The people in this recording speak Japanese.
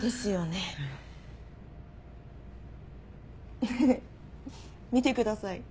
ねぇ見てください